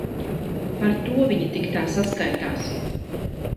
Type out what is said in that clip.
Par to viņa tik tā saskaitās.